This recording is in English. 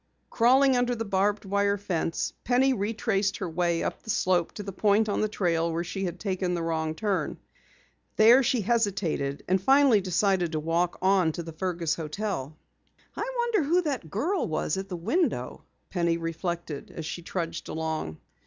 Crawling under the barbed wire fence, Penny retraced her way up the slope to the point on the trail where she had taken the wrong turn. There she hesitated and finally decided to walk on to the Fergus hotel. "I wonder who that girl was at the window?" Penny reflected as she trudged along.